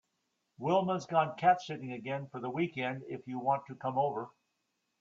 Wilma’s gone cat sitting again for the weekend if you want to come over.